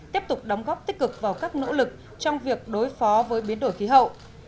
tiếp tục đóng góp tích cực vào các nỗ lực trong việc đối phó với biến đổi khí hậu